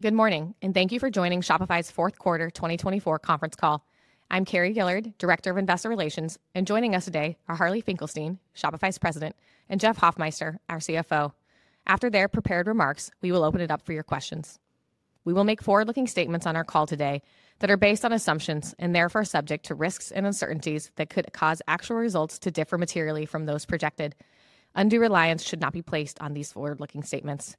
Good morning, and thank you for joining Shopify's fourth quarter 2024 conference call. I'm Carrie Gillard, Director of Investor Relations, and joining us today are Harley Finkelstein, Shopify's President, and Jeff Hoffmeister, our CFO. After their prepared remarks, we will open it up for your questions. We will make forward-looking statements on our call today that are based on assumptions and therefore subject to risks and uncertainties that could cause actual results to differ materially from those projected. Undue reliance should not be placed on these forward-looking statements.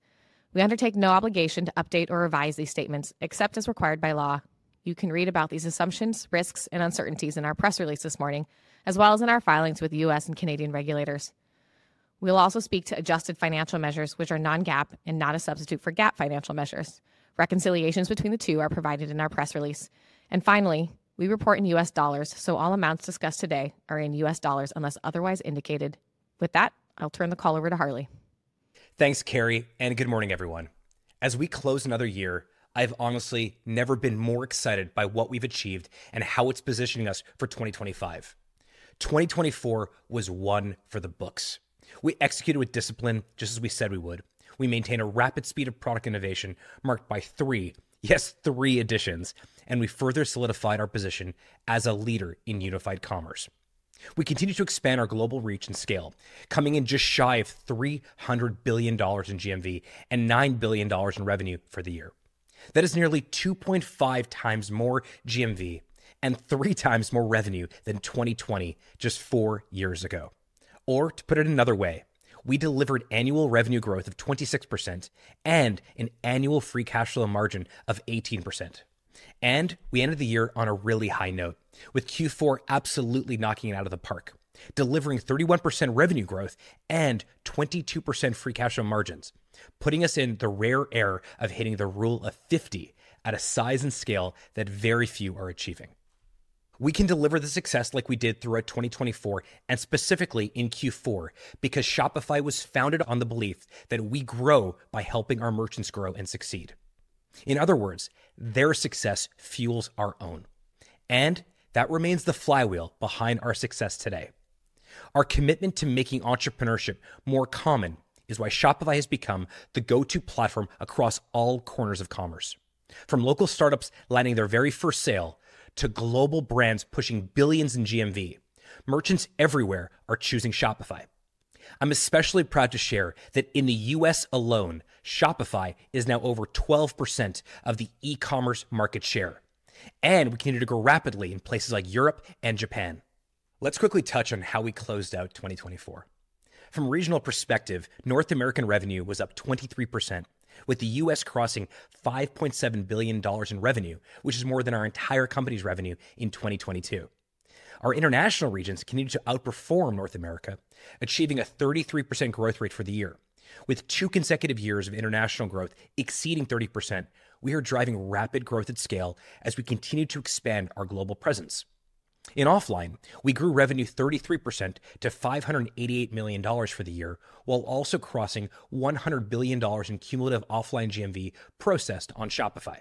We undertake no obligation to update or revise these statements except as required by law. You can read about these assumptions, risks, and uncertainties in our press release this morning, as well as in our filings with U.S. and Canadian regulators. We'll also speak to adjusted financial measures, which are non-GAAP and not a substitute for GAAP financial measures. Reconciliations between the two are provided in our press release. And finally, we report in U.S. dollars, so all amounts discussed today are in U.S. dollars unless otherwise indicated. With that, I'll turn the call over to Harley. Thanks, Carrie, and good morning, everyone. As we close another year, I've honestly never been more excited by what we've achieved and how it's positioning us for 2025. 2024 was one for the books. We executed with discipline just as we said we would. We maintained a rapid speed of product innovation marked by three, yes, three Editions, and we further solidified our position as a leader in unified commerce. We continue to expand our global reach and scale, coming in just shy of $300 billion in GMV and $9 billion in revenue for the year. That is nearly 2.5 times more GMV and three times more revenue than 2020, just four years ago. Or to put it another way, we delivered annual revenue growth of 26% and an annual free cash flow margin of 18%. We ended the year on a really high note, with Q4 absolutely knocking it out of the park, delivering 31% revenue growth and 22% free cash flow margins, putting us in the rare air of hitting the Rule of 50 at a size and scale that very few are achieving. We can deliver the success like we did throughout 2024 and specifically in Q4 because Shopify was founded on the belief that we grow by helping our merchants grow and succeed. In other words, their success fuels our own, and that remains the flywheel behind our success today. Our commitment to making entrepreneurship more common is why Shopify has become the go-to platform across all corners of commerce. From local startups landing their very first sale to global brands pushing billions in GMV, merchants everywhere are choosing Shopify. I'm especially proud to share that in the U.S. alone, Shopify is now over 12% of the e-commerce market share, and we continue to grow rapidly in places like Europe and Japan. Let's quickly touch on how we closed out 2024. From a regional perspective, North American revenue was up 23%, with the U.S. crossing $5.7 billion in revenue, which is more than our entire company's revenue in 2022. Our international regions continue to outperform North America, achieving a 33% growth rate for the year. With two consecutive years of international growth exceeding 30%, we are driving rapid growth at scale as we continue to expand our global presence. In offline, we grew revenue 33% to $588 million for the year, while also crossing $100 billion in cumulative offline GMV processed on Shopify.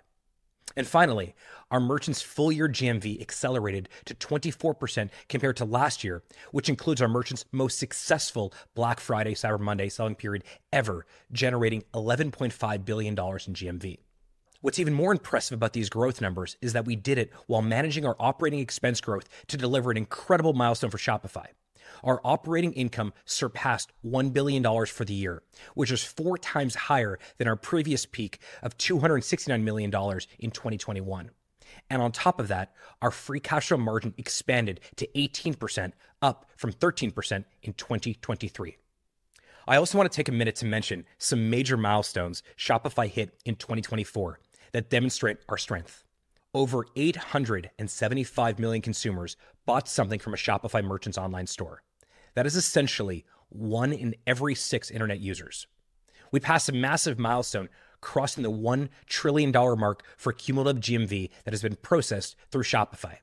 Finally, our merchants' full-year GMV accelerated to 24% compared to last year, which includes our merchants' most successful Black Friday/Cyber Monday selling period ever, generating $11.5 billion in GMV. What's even more impressive about these growth numbers is that we did it while managing our operating expense growth to deliver an incredible milestone for Shopify. Our operating income surpassed $1 billion for the year, which was four times higher than our previous peak of $269 million in 2021. And on top of that, our free cash flow margin expanded to 18%, up from 13% in 2023. I also want to take a minute to mention some major milestones Shopify hit in 2024 that demonstrate our strength. Over 875 million consumers bought something from a Shopify merchant's online store. That is essentially one in every six internet users. We passed a massive milestone crossing the $1 trillion mark for cumulative GMV that has been processed through Shopify.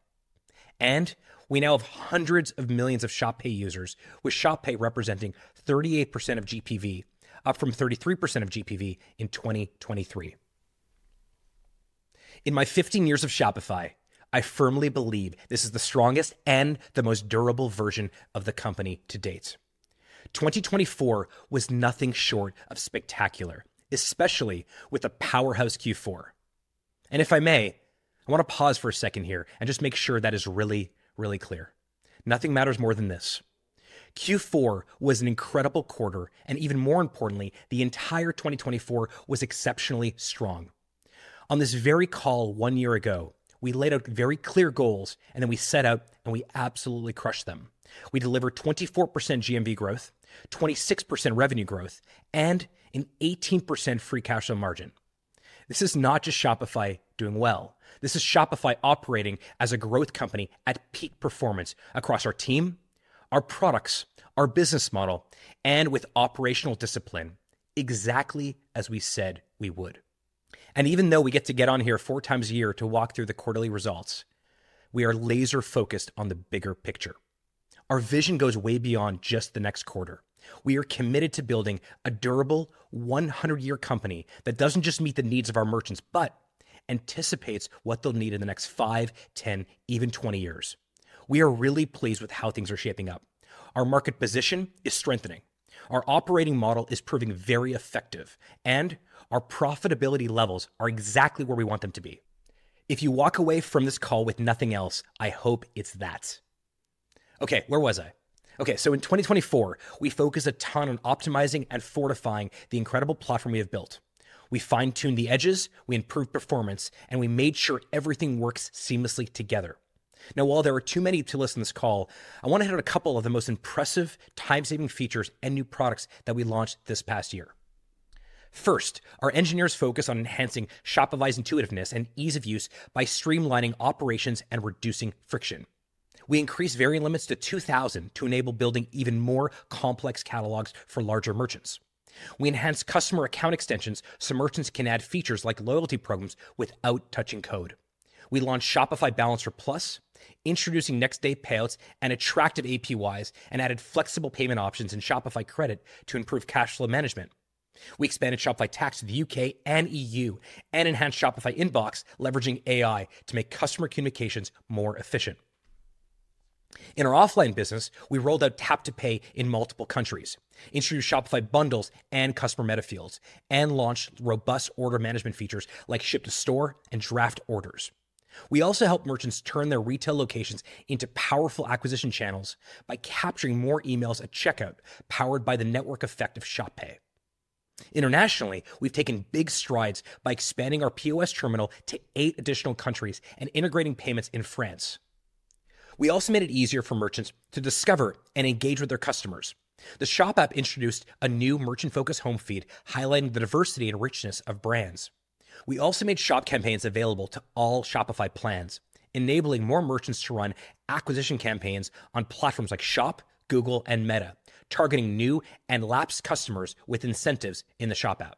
We now have hundreds of millions of Shop Pay users, with Shop Pay representing 38% of GPV, up from 33% of GPV in 2023. In my 15 years of Shopify, I firmly believe this is the strongest and the most durable version of the company to date. 2024 was nothing short of spectacular, especially with a powerhouse Q4. If I may, I want to pause for a second here and just make sure that is really, really clear. Nothing matters more than this. Q4 was an incredible quarter, and even more importantly, the entire 2024 was exceptionally strong. On this very call one year ago, we laid out very clear goals, and then we set out, and we absolutely crushed them. We delivered 24% GMV growth, 26% revenue growth, and an 18% free cash flow margin. This is not just Shopify doing well. This is Shopify operating as a growth company at peak performance across our team, our products, our business model, and with operational discipline, exactly as we said we would. And even though we get to get on here four times a year to walk through the quarterly results, we are laser-focused on the bigger picture. Our vision goes way beyond just the next quarter. We are committed to building a durable, 100-year company that doesn't just meet the needs of our merchants, but anticipates what they'll need in the next 5, 10, even 20 years. We are really pleased with how things are shaping up. Our market position is strengthening. Our operating model is proving very effective, and our profitability levels are exactly where we want them to be. If you walk away from this call with nothing else, I hope it's that. Okay, where was I? Okay, so in 2024, we focused a ton on optimizing and fortifying the incredible platform we have built. We fine-tuned the edges, we improved performance, and we made sure everything works seamlessly together. Now, while there are too many to list on this call, I want to hit on a couple of the most impressive time-saving features and new products that we launched this past year. First, our engineers focused on enhancing Shopify's intuitiveness and ease of use by streamlining operations and reducing friction. We increased variant limits to 2,000 to enable building even more complex catalogs for larger merchants. We enhanced customer account extensions so merchants can add features like loyalty programs without touching code. We launched Shopify Balance, introducing next-day payouts and attractive APYs, and added flexible payment options in Shopify Credit to improve cash flow management. We expanded Shopify Tax to the U.K. and E.U. and enhanced Shopify Inbox, leveraging AI to make customer communications more efficient. In our offline business, we rolled out Tap to Pay in multiple countries, introduced Shopify Bundles and customer metafields, and launched robust order management features like ship-to-store and draft orders. We also helped merchants turn their retail locations into powerful acquisition channels by capturing more emails at checkout, powered by the network effect of Shop Pay. Internationally, we've taken big strides by expanding our POS terminal to eight additional countries and integrating payments in France. We also made it easier for merchants to discover and engage with their customers. The Shop app introduced a new merchant-focused home feed, highlighting the diversity and richness of brands. We also made Shop Campaigns available to all Shopify plans, enabling more merchants to run acquisition campaigns on platforms like Shop, Google, and Meta, targeting new and lapsed customers with incentives in the Shop app.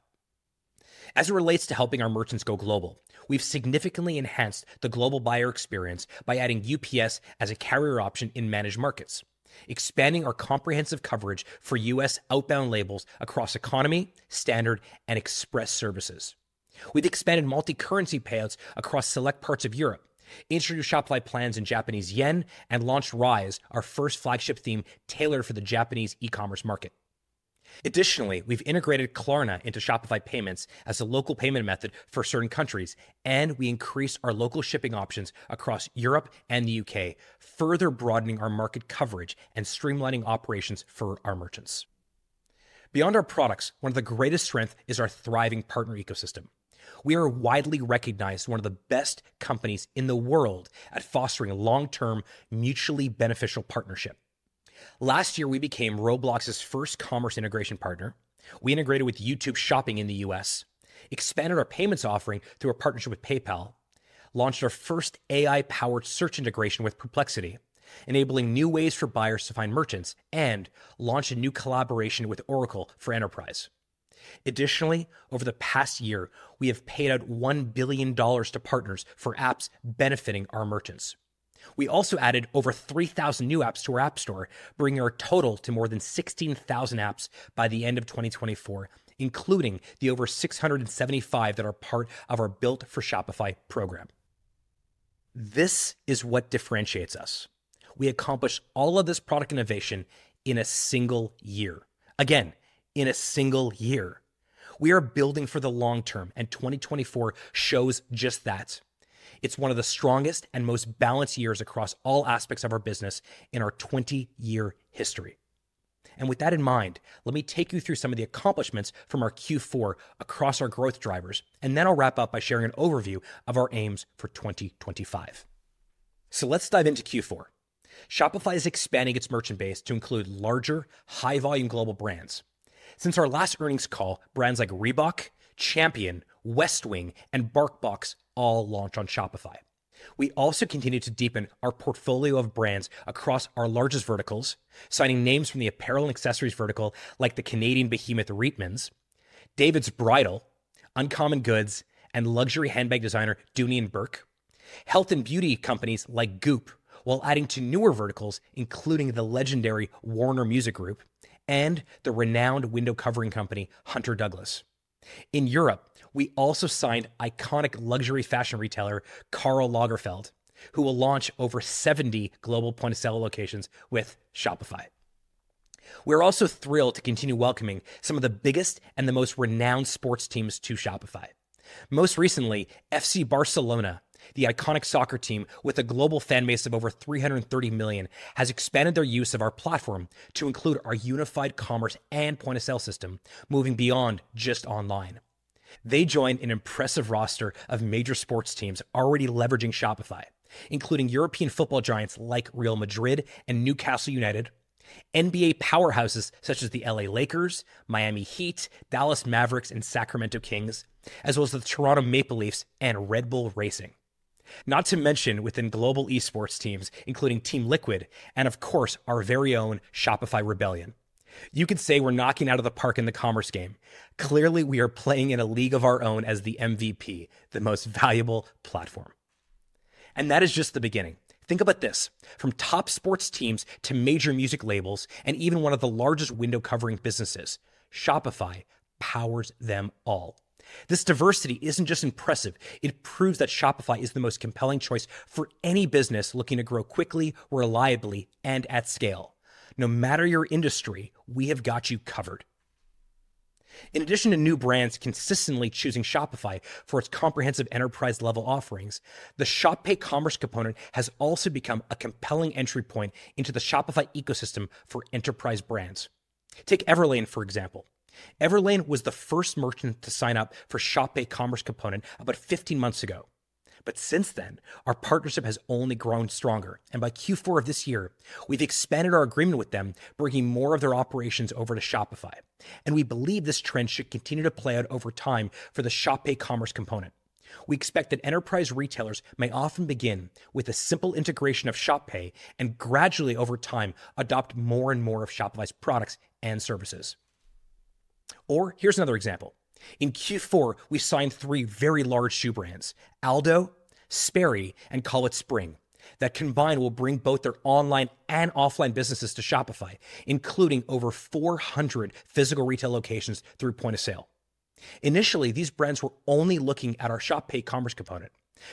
As it relates to helping our merchants go global, we've significantly enhanced the global buyer experience by adding UPS as a carrier option in Managed Markets, expanding our comprehensive coverage for U.S. outbound labels across economy, Standard, and express services. We've expanded multi-currency payouts across select parts of Europe, introduced Shopify plans in Japanese yen, and launched Rise, our first flagship theme tailored for the Japanese e-commerce market. Additionally, we've integrated Klarna into Shopify Payments as a local payment method for certain countries, and we increased our local shipping options across Europe and the U.K., further broadening our market coverage and streamlining operations for our merchants. Beyond our products, one of the greatest strengths is our thriving partner ecosystem. We are widely recognized as one of the best companies in the world at fostering a long-term mutually beneficial partnership. Last year, we became Roblox's first commerce integration partner. We integrated with YouTube Shopping in the U.S., expanded our payments offering through a partnership with PayPal, launched our first AI-powered search integration with Perplexity, enabling new ways for buyers to find merchants, and launched a new collaboration with Oracle for enterprise. Additionally, over the past year, we have paid out $1 billion to partners for apps benefiting our merchants. We also added over 3,000 new apps to our app store, bringing our total to more than 16,000 apps by the end of 2024, including the over 675 that are part of our Built for Shopify program. This is what differentiates us. We accomplished all of this product innovation in a single year. Again, in a single year. We are building for the long term, and 2024 shows just that. It's one of the strongest and most balanced years across all aspects of our business in our 20-year history. And with that in mind, let me take you through some of the accomplishments from our Q4 across our growth drivers, and then I'll wrap up by sharing an overview of our aims for 2025. So let's dive into Q4. Shopify is expanding its merchant base to include larger, high-volume global brands. Since our last earnings call, brands like Reebok, Champion, Westwing, and BarkBox all launched on Shopify. We also continue to deepen our portfolio of brands across our largest verticals, signing names from the apparel and accessories vertical like the Canadian behemoth Reitmans, David's Bridal, Uncommon Goods, and luxury handbag designer Dooney & Bourke, health and beauty companies like Goop, while adding to newer verticals, including the legendary Warner Music Group and the renowned window covering company Hunter Douglas. In Europe, we also signed iconic luxury fashion retailer Karl Lagerfeld, who will launch over 70 global point of sale locations with Shopify. We're also thrilled to continue welcoming some of the biggest and the most renowned sports teams to Shopify. Most recently, FC Barcelona, the iconic soccer team with a global fan base of over 330 million, has expanded their use of our platform to include our unified commerce and point of sale system, moving beyond just online. They joined an impressive roster of major sports teams already leveraging Shopify, including European football giants like Real Madrid and Newcastle United, NBA powerhouses such as the L.A. Lakers, Miami Heat, Dallas Mavericks, and Sacramento Kings, as well as the Toronto Maple Leafs and Red Bull Racing. Not to mention within global esports teams, including Team Liquid, and of course, our very own Shopify Rebellion. You could say we're knocking it out of the park in the commerce game. Clearly, we are playing in a league of our own as the MVP, the most valuable platform. And that is just the beginning. Think about this. From top sports teams to major music labels and even one of the largest window covering businesses, Shopify powers them all. This diversity isn't just impressive. It proves that Shopify is the most compelling choice for any business looking to grow quickly, reliably, and at scale. No matter your industry, we have got you covered. In addition to new brands consistently choosing Shopify for its comprehensive enterprise-level offerings, the Shop Pay Commerce Component has also become a compelling entry point into the Shopify ecosystem for enterprise brands. Take Everlane, for example. Everlane was the first merchant to sign up for Shop Pay Commerce Component about 15 months ago, but since then, our partnership has only grown stronger, and by Q4 of this year, we've expanded our agreement with them, bringing more of their operations over to Shopify. We believe this trend should continue to play out over time for the Shop Pay Commerce Component. We expect that enterprise retailers may often begin with a simple integration of Shop Pay and gradually, over time, adopt more and more of Shopify's products and services. Or here's another example. In Q4, we signed three very large shoe brands, Aldo, Sperry, and Call It Spring. That combined will bring both their online and offline businesses to Shopify, including over 400 physical retail locations through point of sale. Initially, these brands were only looking at our Shop Pay commerce component.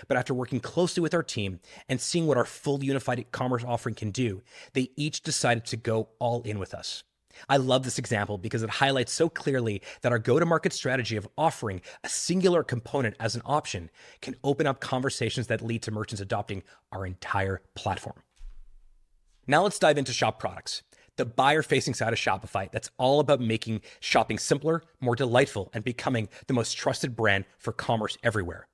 But after working closely with our team and seeing what our full unified commerce offering can do, they each decided to go all in with us. I love this example because it highlights so clearly that our go-to-market strategy of offering a singular component as an option can open up conversations that lead to merchants adopting our entire platform. Now let's dive into Shop products, the buyer-facing side of Shopify that's all about making shopping simpler, more delightful, and becoming the most trusted brand for commerce everywhere.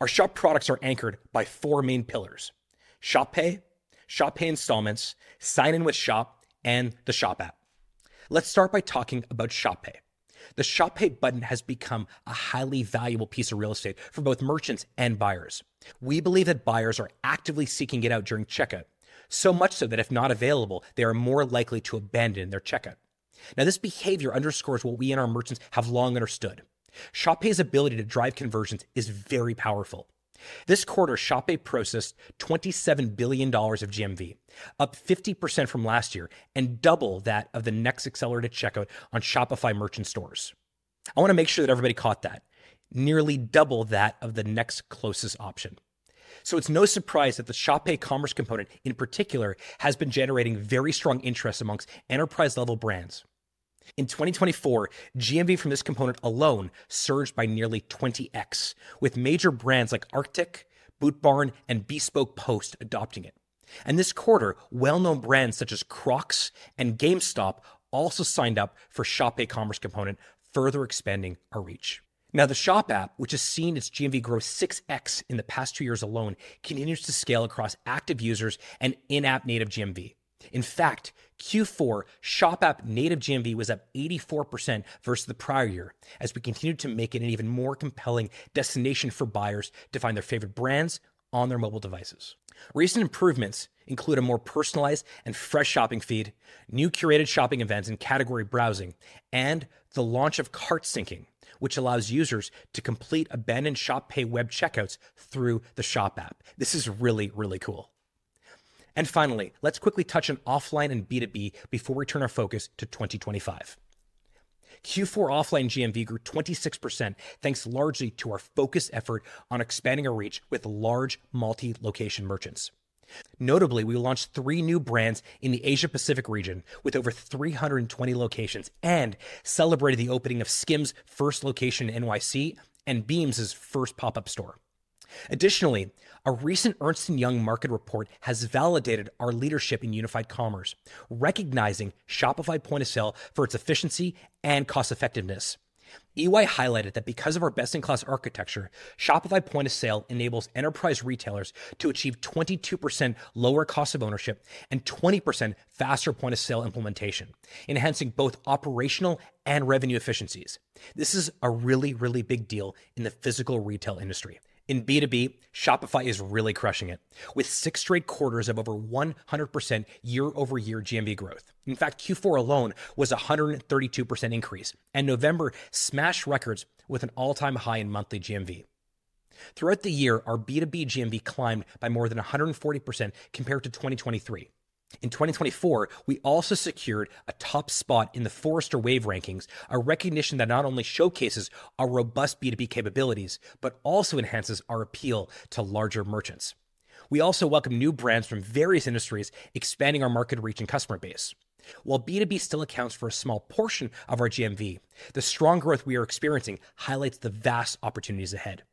Our Shop products are anchored by four main pillars: Shop Pay, Shop Pay Installments, Sign In with Shop, and the Shop App. Let's start by talking about Shop Pay. The Shop Pay button has become a highly valuable piece of real estate for both merchants and buyers. We believe that buyers are actively seeking it out during checkout, so much so that if not available, they are more likely to abandon their checkout. Now, this behavior underscores what we and our merchants have long understood. Shop Pay's ability to drive conversions is very powerful. This quarter, Shop Pay processed $27 billion of GMV, up 50% from last year and double that of the next accelerated checkout on Shopify merchant stores. I want to make sure that everybody caught that: nearly double that of the next closest option. So it's no surprise that the Shop Pay commerce component, in particular, has been generating very strong interest among enterprise-level brands. In 2024, GMV from this component alone surged by nearly 20x, with major brands like Arc'teryx, Boot Barn, and Bespoke Post adopting it, and this quarter, well-known brands such as Crocs and GameStop also signed up for Shop Pay commerce component, further expanding our reach. Now, the Shop App, which has seen its GMV grow 6x in the past two years alone, continues to scale across active users and in-app native GMV. In fact, Q4, Shop App native GMV was up 84% versus the prior year, as we continued to make it an even more compelling destination for buyers to find their favorite brands on their mobile devices. Recent improvements include a more personalized and fresh shopping feed, new curated shopping events and category browsing, and the launch of cart syncing, which allows users to complete abandoned Shop Pay web checkouts through the Shop App. This is really, really cool, and finally, let's quickly touch on offline and B2B before we turn our focus to 2025. Q4 offline GMV grew 26%, thanks largely to our focused effort on expanding our reach with large multi-location merchants. Notably, we launched three new brands in the Asia-Pacific region with over 320 locations and celebrated the opening of SKIMS's first location in NYC and BEAMS's first pop-up store. Additionally, a recent Ernst & Young market report has validated our leadership in unified commerce, recognizing Shopify Point of Sale for its efficiency and cost-effectiveness. EY highlighted that because of our best-in-class architecture, Shopify Point of Sale enables enterprise retailers to achieve 22% lower cost of ownership and 20% faster point of sale implementation, enhancing both operational and revenue efficiencies. This is a really, really big deal in the physical retail industry. In B2B, Shopify is really crushing it, with six straight quarters of over 100% year-over-year GMV growth. In fact, Q4 alone was a 132% increase, and November smashed records with an all-time high in monthly GMV. Throughout the year, our B2B GMV climbed by more than 140% compared to 2023. In 2024, we also secured a top spot in the Forrester Wave rankings, a recognition that not only showcases our robust B2B capabilities, but also enhances our appeal to larger merchants. We also welcome new brands from various industries, expanding our market reach and customer base. While B2B still accounts for a small portion of our GMV, the strong growth we are experiencing highlights the vast opportunities ahead.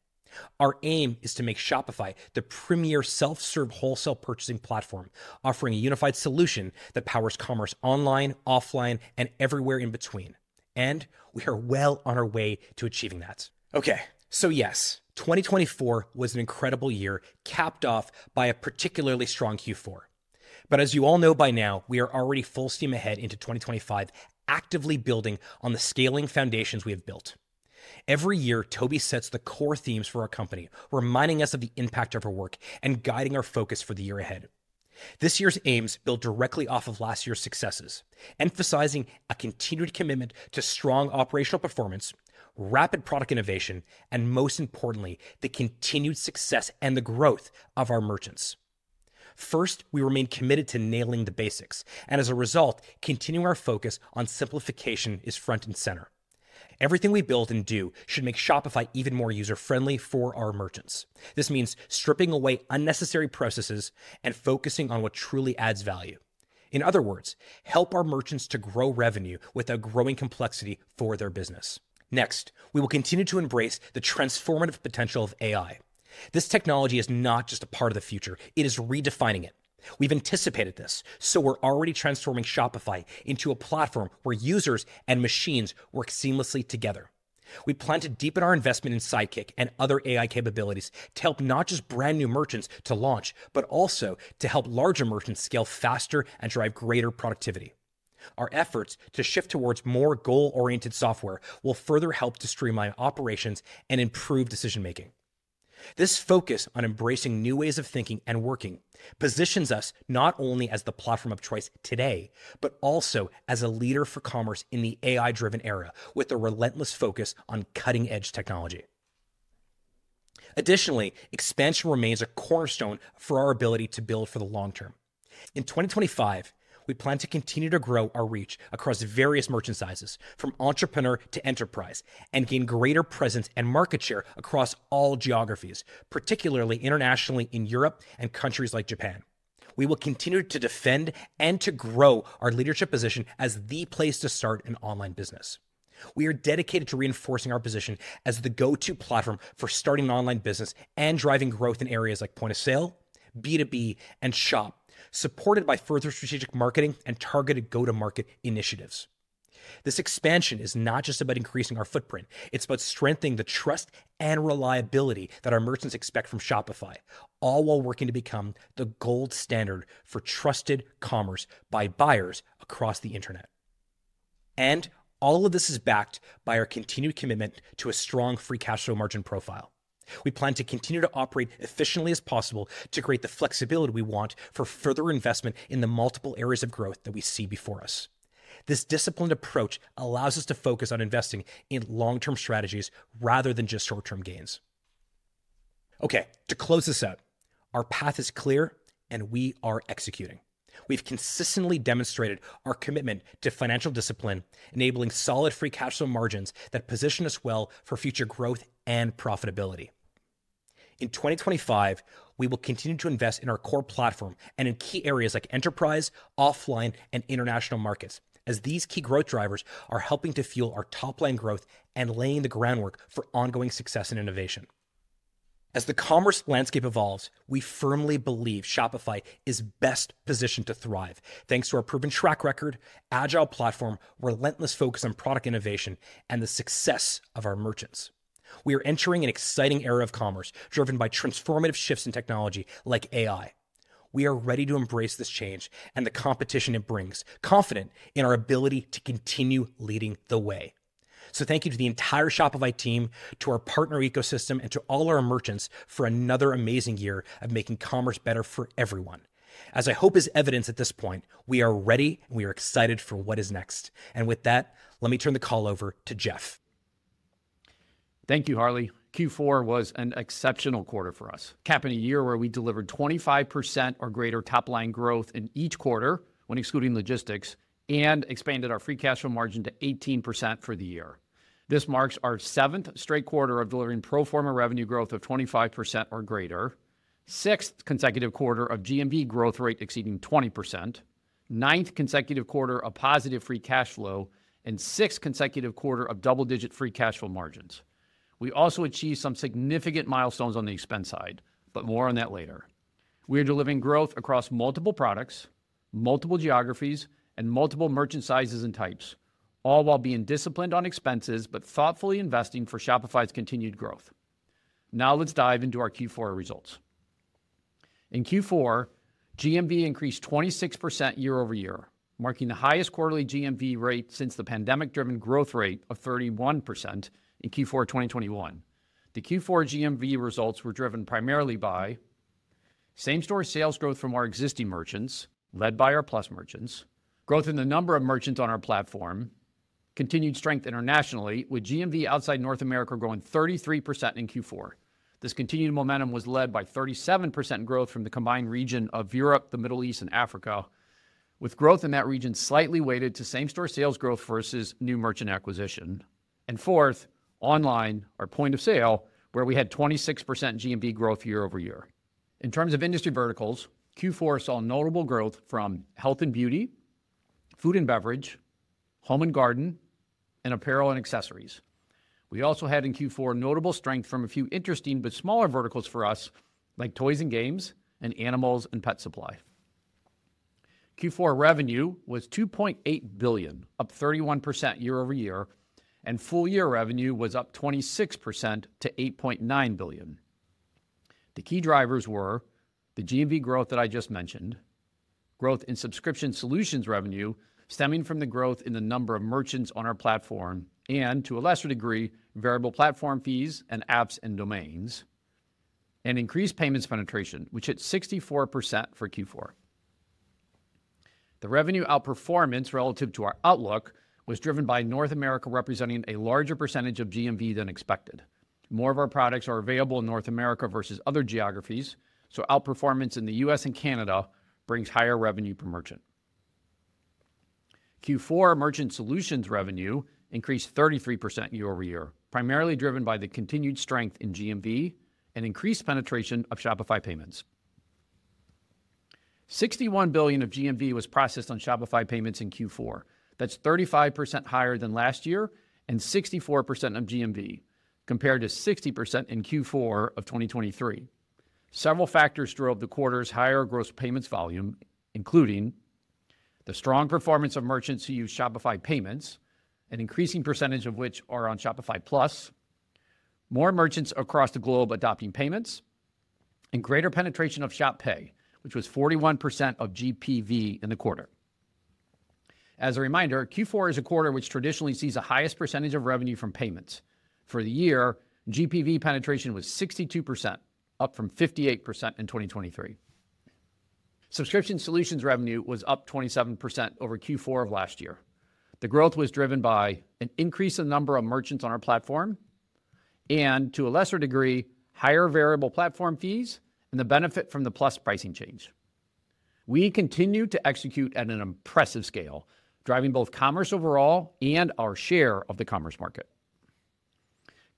Our aim is to make Shopify the premier self-serve wholesale purchasing platform, offering a unified solution that powers commerce online, offline, and everywhere in between, and we are well on our way to achieving that. Okay, so yes, 2024 was an incredible year capped off by a particularly strong Q4, but as you all know by now, we are already full steam ahead into 2025, actively building on the scaling foundations we have built. Every year, Tobi sets the core themes for our company, reminding us of the impact of our work and guiding our focus for the year ahead. This year's aims build directly off of last year's successes, emphasizing a continued commitment to strong operational performance, rapid product innovation, and most importantly, the continued success and the growth of our merchants. First, we remain committed to nailing the basics, and as a result, continuing our focus on simplification is front and center. Everything we build and do should make Shopify even more user-friendly for our merchants. This means stripping away unnecessary processes and focusing on what truly adds value. In other words, help our merchants to grow revenue with a growing complexity for their business. Next, we will continue to embrace the transformative potential of AI. This technology is not just a part of the future. It is redefining it. We've anticipated this, so we're already transforming Shopify into a platform where users and machines work seamlessly together. We've deepened our investment in Sidekick and other AI capabilities to help not just brand new merchants to launch, but also to help larger merchants scale faster and drive greater productivity. Our efforts to shift towards more goal-oriented software will further help to streamline operations and improve decision-making. This focus on embracing new ways of thinking and working positions us not only as the platform of choice today, but also as a leader for commerce in the AI-driven era, with a relentless focus on cutting-edge technology. Additionally, expansion remains a cornerstone for our ability to build for the long term. In 2025, we plan to continue to grow our reach across various merchant sizes, from entrepreneur to enterprise, and gain greater presence and market share across all geographies, particularly internationally in Europe and countries like Japan. We will continue to defend and to grow our leadership position as the place to start an online business. We are dedicated to reinforcing our position as the go-to platform for starting an online business and driving growth in areas like point of sale, B2B, and shop, supported by further strategic marketing and targeted go-to-market initiatives. This expansion is not just about increasing our footprint. It's about strengthening the trust and reliability that our merchants expect from Shopify, all while working to become the gold standard for trusted commerce by buyers across the internet. All of this is backed by our continued commitment to a strong free cash flow margin profile. We plan to continue to operate efficiently as possible to create the flexibility we want for further investment in the multiple areas of growth that we see before us. This disciplined approach allows us to focus on investing in long-term strategies rather than just short-term gains. Okay, to close this out, our path is clear, and we are executing. We've consistently demonstrated our commitment to financial discipline, enabling solid free cash flow margins that position us well for future growth and profitability. In 2025, we will continue to invest in our core platform and in key areas like enterprise, offline, and international markets, as these key growth drivers are helping to fuel our top-line growth and laying the groundwork for ongoing success and innovation. As the commerce landscape evolves, we firmly believe Shopify is best positioned to thrive, thanks to our proven track record, agile platform, relentless focus on product innovation, and the success of our merchants. We are entering an exciting era of commerce driven by transformative shifts in technology like AI. We are ready to embrace this change and the competition it brings, confident in our ability to continue leading the way. So thank you to the entire Shopify team, to our partner ecosystem, and to all our merchants for another amazing year of making commerce better for everyone. As I hope is evidenced at this point, we are ready and we are excited for what is next. And with that, let me turn the call over to Jeff. Thank you, Harley. Q4 was an exceptional quarter for us, capping a year where we delivered 25% or greater top-line growth in each quarter when excluding logistics and expanded our free cash flow margin to 18% for the year. This marks our seventh straight quarter of delivering pro forma revenue growth of 25% or greater, sixth consecutive quarter of GMV growth rate exceeding 20%, ninth consecutive quarter of positive free cash flow, and sixth consecutive quarter of double-digit free cash flow margins. We also achieved some significant milestones on the expense side, but more on that later. We are delivering growth across multiple products, multiple geographies, and multiple merchant sizes and types, all while being disciplined on expenses but thoughtfully investing for Shopify's continued growth. Now let's dive into our Q4 results. In Q4, GMV increased 26% year-over-year, marking the highest quarterly GMV rate since the pandemic-driven growth rate of 31% in Q4 2021. The Q4 GMV results were driven primarily by same-store sales growth from our existing merchants, led by our Plus merchants, growth in the number of merchants on our platform, continued strength internationally, with GMV outside North America growing 33% in Q4. This continued momentum was led by 37% growth from the combined region of Europe, the Middle East, and Africa, with growth in that region slightly weighted to same-store sales growth versus new merchant acquisition. And fourth, online, our point of sale, where we had 26% GMV growth year-over-year. In terms of industry verticals, Q4 saw notable growth from health and beauty, food and beverage, home and garden, and apparel and accessories. We also had in Q4 notable strength from a few interesting but smaller verticals for us, like toys and games and animals and pet supply. Q4 revenue was $2.8 billion, up 31% year-over-year, and full-year revenue was up 26% to $8.9 billion. The key drivers were the GMV growth that I just mentioned, growth in subscription solutions revenue stemming from the growth in the number of merchants on our platform, and to a lesser degree, variable platform fees and apps and domains, and increased payments penetration, which hit 64% for Q4. The revenue outperformance relative to our outlook was driven by North America representing a larger percentage of GMV than expected. More of our products are available in North America versus other geographies, so outperformance in the U.S. and Canada brings higher revenue per merchant. Q4 Merchant Solutions revenue increased 33% year-over-year, primarily driven by the continued strength in GMV and increased penetration of Shopify Payments. $61 billion of GMV was processed on Shopify Payments in Q4. That's 35% higher than last year and 64% of GMV, compared to 60% in Q4 of 2023. Several factors drove the quarter's higher gross payments volume, including the strong performance of merchants who use Shopify Payments, an increasing percentage of which are on Shopify Plus, more merchants across the globe adopting payments, and greater penetration of Shop Pay, which was 41% of GPV in the quarter. As a reminder, Q4 is a quarter which traditionally sees the highest percentage of revenue from payments. For the year, GPV penetration was 62%, up from 58% in 2023. Subscription Solutions revenue was up 27% over Q4 of last year. The growth was driven by an increase in the number of merchants on our platform, and to a lesser degree, higher variable platform fees and the benefit from the Plus pricing change. We continue to execute at an impressive scale, driving both commerce overall and our share of the commerce market.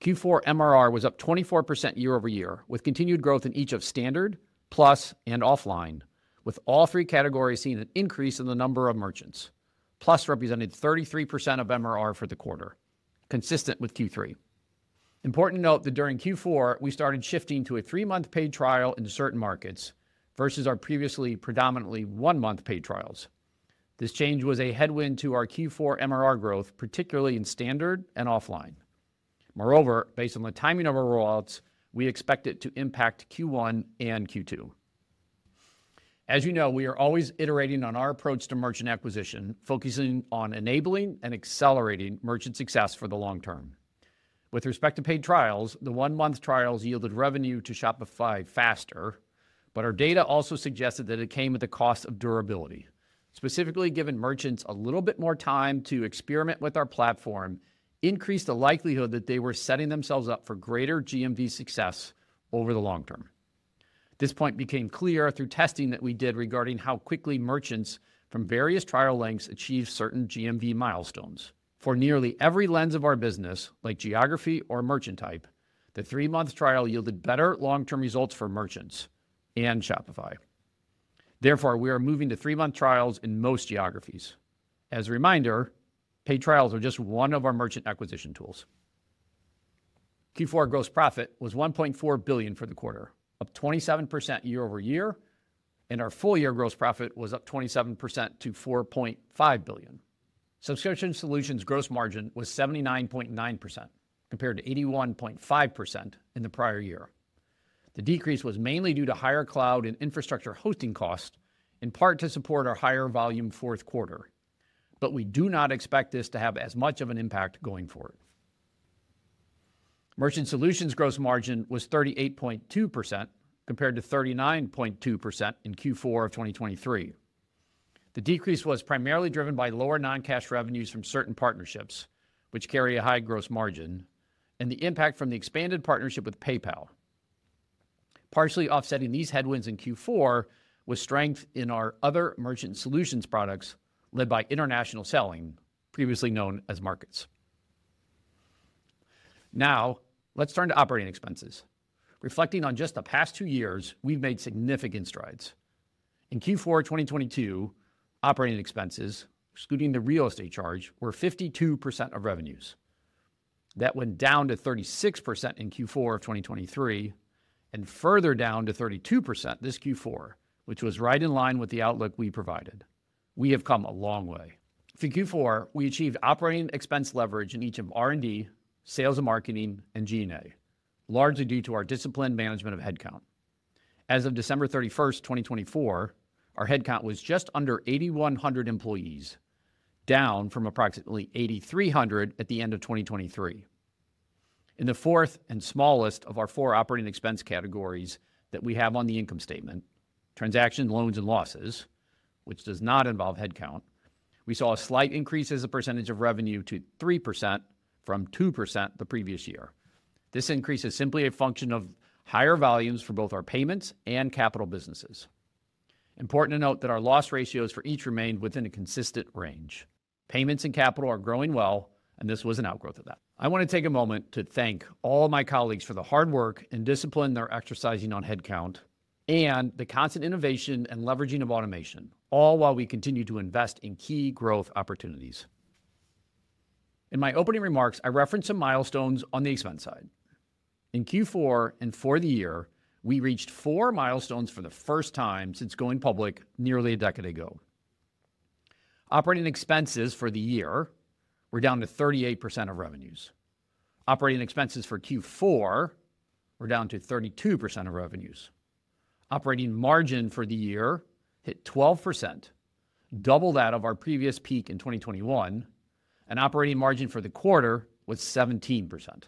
Q4 MRR was up 24% year-over-year, with continued growth in each of standard, Plus, and offline, with all three categories seeing an increase in the number of merchants. Plus represented 33% of MRR for the quarter, consistent with Q3. Important to note that during Q4, we started shifting to a three-month paid trial in certain markets versus our previously predominantly one-month paid trials. This change was a headwind to our Q4 MRR growth, particularly in standard and offline. Moreover, based on the timing of our rollouts, we expect it to impact Q1 and Q2. As you know, we are always iterating on our approach to merchant acquisition, focusing on enabling and accelerating merchant success for the long term. With respect to paid trials, the one-month trials yielded revenue to Shopify faster, but our data also suggested that it came at the cost of durability. Specifically, giving merchants a little bit more time to experiment with our platform increased the likelihood that they were setting themselves up for greater GMV success over the long term. This point became clear through testing that we did regarding how quickly merchants from various trial lengths achieve certain GMV milestones. For nearly every lens of our business, like geography or merchant type, the three-month trial yielded better long-term results for merchants and Shopify. Therefore, we are moving to three-month trials in most geographies. As a reminder, paid trials are just one of our merchant acquisition tools. Q4 gross profit was $1.4 billion for the quarter, up 27% year-over-year, and our full-year gross profit was up 27% to $4.5 billion. Subscription Solutions gross margin was 79.9%, compared to 81.5% in the prior year. The decrease was mainly due to higher cloud and infrastructure hosting costs, in part to support our higher volume fourth quarter, but we do not expect this to have as much of an impact going forward. Merchant Solutions gross margin was 38.2%, compared to 39.2% in Q4 of 2023. The decrease was primarily driven by lower non-cash revenues from certain partnerships, which carry a high gross margin, and the impact from the expanded partnership with PayPal. Partially offsetting these headwinds in Q4 was strength in our other Merchant Solutions products led by International Selling, previously known as Markets. Now, let's turn to operating expenses. Reflecting on just the past two years, we've made significant strides. In Q4 2022, operating expenses, excluding the real estate charge, were 52% of revenues. That went down to 36% in Q4 of 2023, and further down to 32% this Q4, which was right in line with the outlook we provided. We have come a long way. For Q4, we achieved operating expense leverage in each of R&D, sales and marketing, and G&A, largely due to our disciplined management of headcount. As of December 31st, 2024, our headcount was just under 8,100 employees, down from approximately 8,300 at the end of 2023. In the fourth and smallest of our four operating expense categories that we have on the income statement, transactions, loans, and losses, which does not involve headcount, we saw a slight increase as a percentage of revenue to 3% from 2% the previous year. This increase is simply a function of higher volumes for both our payments and capital businesses. Important to note that our loss ratios for each remained within a consistent range. Payments and capital are growing well, and this was an outgrowth of that. I want to take a moment to thank all my colleagues for the hard work and discipline they're exercising on headcount and the constant innovation and leveraging of automation, all while we continue to invest in key growth opportunities. In my opening remarks, I referenced some milestones on the expense side. In Q4 and for the year, we reached four milestones for the first time since going public nearly a decade ago. Operating expenses for the year were down to 38% of revenues. Operating expenses for Q4 were down to 32% of revenues. Operating margin for the year hit 12%, double that of our previous peak in 2021, and operating margin for the quarter was 17%.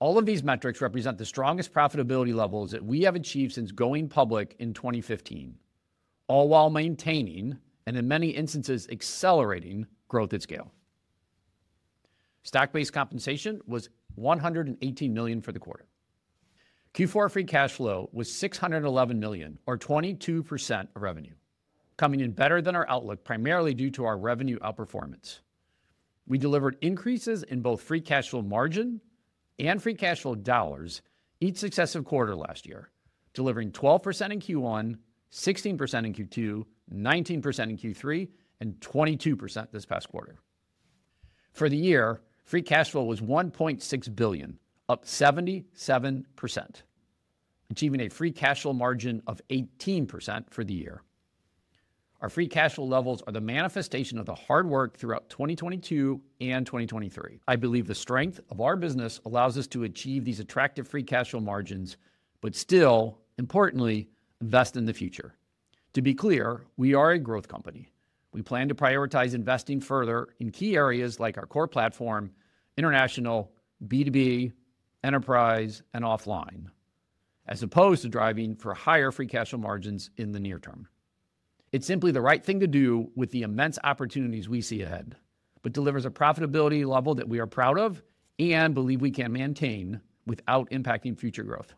All of these metrics represent the strongest profitability levels that we have achieved since going public in 2015, all while maintaining and in many instances accelerating growth at scale. Stock-based compensation was $118 million for the quarter. Q4 free cash flow was $611 million, or 22% of revenue, coming in better than our outlook primarily due to our revenue outperformance. We delivered increases in both free cash flow margin and free cash flow dollars each successive quarter last year, delivering 12% in Q1, 16% in Q2, 19% in Q3, and 22% this past quarter. For the year, free cash flow was $1.6 billion, up 77%, achieving a free cash flow margin of 18% for the year. Our Free Cash Flow levels are the manifestation of the hard work throughout 2022 and 2023. I believe the strength of our business allows us to achieve these attractive Free Cash Flow margins, but still, importantly, invest in the future. To be clear, we are a growth company. We plan to prioritize investing further in key areas like our core platform, international, B2B, enterprise, and offline, as opposed to driving for higher Free Cash Flow margins in the near term. It's simply the right thing to do with the immense opportunities we see ahead, but delivers a profitability level that we are proud of and believe we can maintain without impacting future growth.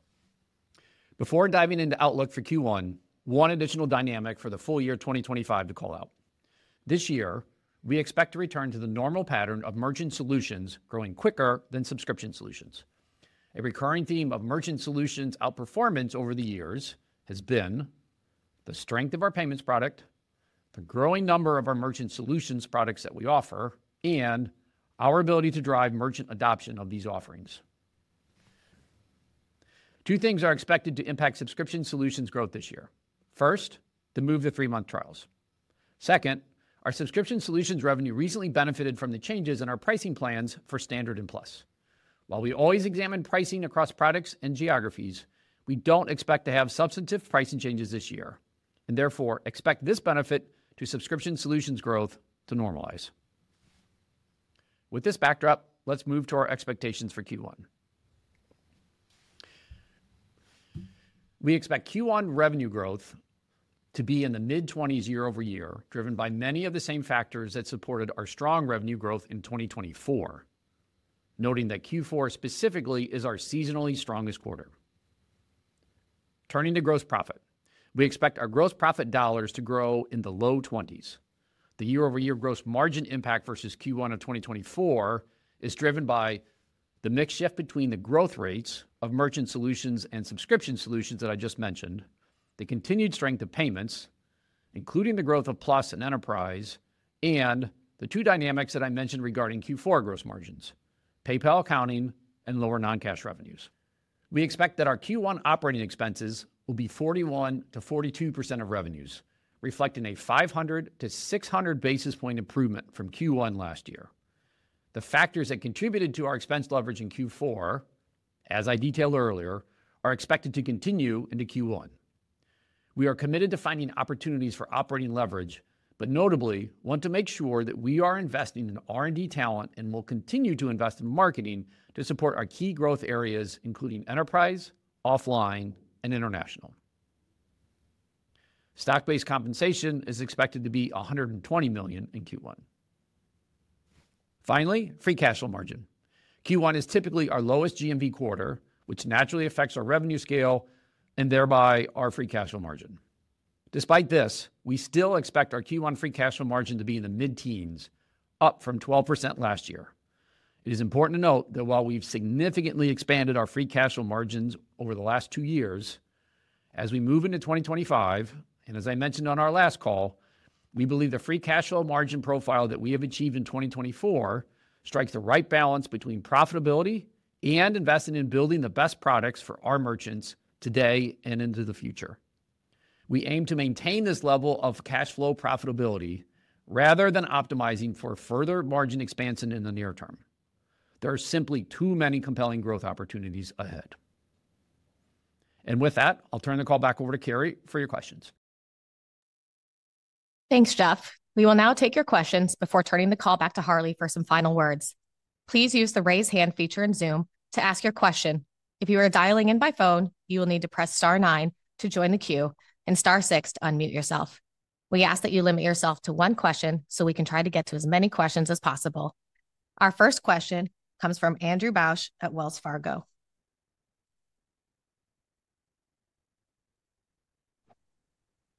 Before diving into outlook for Q1, one additional dynamic for the full year 2025 to call out. This year, we expect to return to the normal pattern of Merchant Solutions growing quicker than Subscription Solutions. A recurring theme of Merchant Solutions outperformance over the years has been the strength of our Payments product, the growing number of our Merchant Solutions products that we offer, and our ability to drive merchant adoption of these offerings. Two things are expected to impact Subscription Solutions growth this year. First, the move to three-month trials. Second, our Subscription Solutions revenue recently benefited from the changes in our pricing plans for Standard and Plus. While we always examine pricing across products and geographies, we don't expect to have substantive pricing changes this year, and therefore expect this benefit to Subscription Solutions growth to normalize. With this backdrop, let's move to our expectations for Q1. We expect Q1 revenue growth to be in the mid-20s% year-over-year, driven by many of the same factors that supported our strong revenue growth in 2024, noting that Q4 specifically is our seasonally strongest quarter. Turning to gross profit, we expect our gross profit dollars to grow in the low 20s. The year-over-year gross margin impact versus Q1 of 2024 is driven by the mixed shift between the growth rates of merchant solutions and subscription solutions that I just mentioned, the continued strength of payments, including the growth of plus and enterprise, and the two dynamics that I mentioned regarding Q4 gross margins, PayPal accounting and lower non-cash revenues. We expect that our Q1 operating expenses will be 41% to 42% of revenues, reflecting a 500 to 600 basis points improvement from Q1 last year. The factors that contributed to our expense leverage in Q4, as I detailed earlier, are expected to continue into Q1. We are committed to finding opportunities for operating leverage, but notably, want to make sure that we are investing in R&D talent and will continue to invest in marketing to support our key growth areas, including enterprise, offline, and international. Stock-based compensation is expected to be $120 million in Q1. Finally, free cash flow margin. Q1 is typically our lowest GMV quarter, which naturally affects our revenue scale and thereby our free cash flow margin. Despite this, we still expect our Q1 free cash flow margin to be in the mid-teens, up from 12% last year. It is important to note that while we've significantly expanded our free cash flow margins over the last two years, as we move into 2025, and as I mentioned on our last call, we believe the free cash flow margin profile that we have achieved in 2024 strikes the right balance between profitability and investing in building the best products for our merchants today and into the future. We aim to maintain this level of cash flow profitability rather than optimizing for further margin expansion in the near term. There are simply too many compelling growth opportunities ahead. And with that, I'll turn the call back over to Carrie for your questions. Thanks, Jeff. We will now take your questions before turning the call back to Harley for some final words. Please use the raise hand feature in Zoom to ask your question. If you are dialing in by phone, you will need to press star nine to join the queue and star six to unmute yourself. We ask that you limit yourself to one question so we can try to get to as many questions as possible. Our first question comes from Andrew Bauch at Wells Fargo.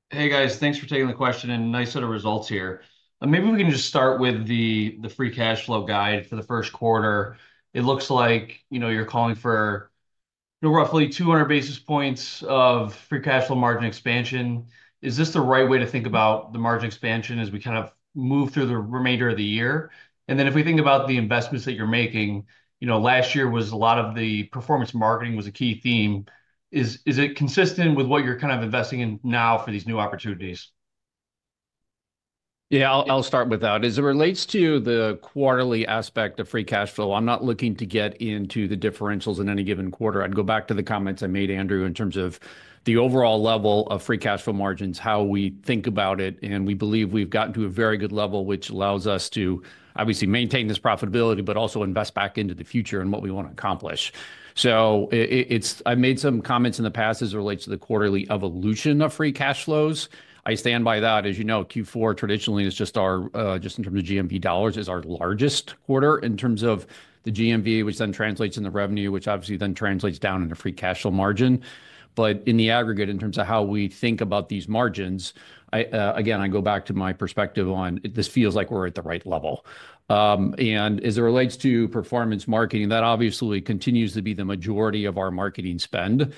Hey guys, thanks for taking the question and nice set of results here. Maybe we can just start with the free cash flow guide for the first quarter. It looks like you're calling for roughly 200 basis points of free cash flow margin expansion. Is this the right way to think about the margin expansion as we kind of move through the remainder of the year? And then if we think about the investments that you're making, last year was a lot of the performance marketing was a key theme. Is it consistent with what you're kind of investing in now for these new opportunities? Yeah, I'll start with that. As it relates to the quarterly aspect of free cash flow, I'm not looking to get into the differentials in any given quarter. I'd go back to the comments I made, Andrew, in terms of the overall level of free cash flow margins, how we think about it, and we believe we've gotten to a very good level, which allows us to obviously maintain this profitability, but also invest back into the future and what we want to accomplish, so I've made some comments in the past as it relates to the quarterly evolution of free cash flows. I stand by that. As you know, Q4 traditionally is just our, just in terms of GMV dollars, is our largest quarter in terms of the GMV, which then translates in the revenue, which obviously then translates down into free cash flow margin. But in the aggregate, in terms of how we think about these margins, again, I go back to my perspective on this feels like we're at the right level. And as it relates to performance marketing, that obviously continues to be the majority of our marketing spend.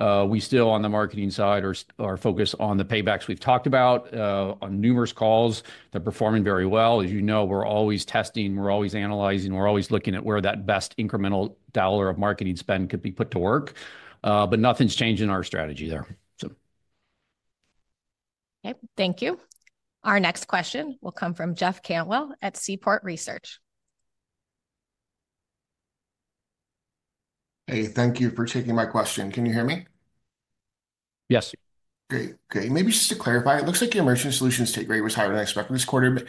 We still on the marketing side are focused on the paybacks we've talked about on numerous calls that are performing very well. As you know, we're always testing, we're always analyzing, we're always looking at where that best incremental dollar of marketing spend could be put to work. But nothing's changed in our strategy there. Okay, thank you. Our next question will come from Jeff Cantwell at Seaport Research Partners. Hey, thank you for taking my question. Can you hear me? Yes. Great. Okay. Maybe just to clarify, it looks like your Merchant Solutions take rate was higher than expected this quarter. But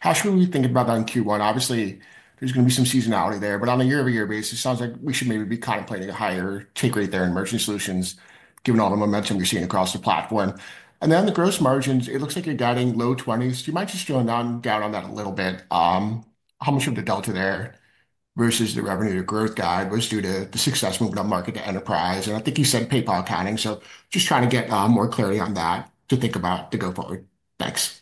how should we think about that in Q1? Obviously, there's going to be some seasonality there, but on a year-over-year basis, it sounds like we should maybe be contemplating a higher take rate there in Merchant Solutions, given all the momentum you're seeing across the platform. And then the gross margins, it looks like you're guiding low 20s. Do you mind just drilling down on that a little bit? How much of the delta there versus the revenue growth guide was due to the success moving upmarket to enterprise? I think you said PayPal accounting, so just trying to get more clarity on that to think about to go forward. Thanks.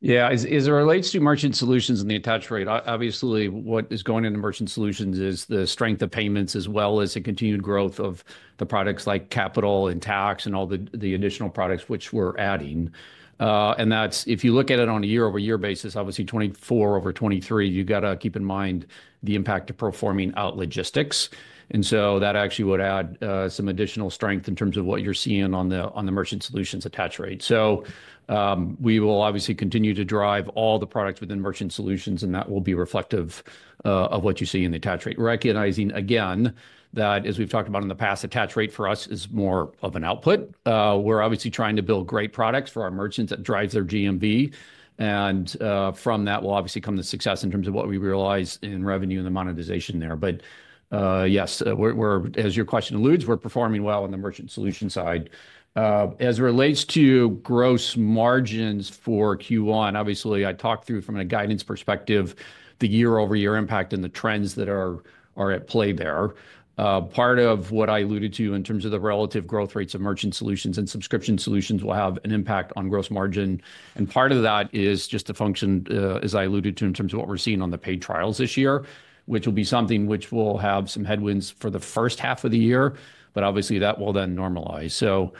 Yeah, as it relates to Merchant Solutions and the attach rate, obviously what is going into Merchant Solutions is the strength of Payments as well as the continued growth of the products like Capital and Tax and all the additional products which we're adding. And that's if you look at it on a year-over-year basis, obviously 2024 over 2023, you got to keep in mind the impact of phasing out logistics. And so that actually would add some additional strength in terms of what you're seeing on the Merchant Solutions attach rate. So we will obviously continue to drive all the products within Merchant Solutions, and that will be reflective of what you see in the attach rate. Recognizing again that as we've talked about in the past, attach rate for us is more of an output. We're obviously trying to build great products for our merchants that drives their GMV. And from that will obviously come the success in terms of what we realize in revenue and the monetization there. But yes, as your question alludes, we're performing well on the merchant solution side. As it relates to gross margins for Q1, obviously I talked through from a guidance perspective the year-over-year impact and the trends that are at play there. Part of what I alluded to in terms of the relative growth rates of merchant solutions and subscription solutions will have an impact on gross margin. Part of that is just a function, as I alluded to, in terms of what we're seeing on the paid trials this year, which will be something which will have some headwinds for the first half of the year, but obviously that will then normalize.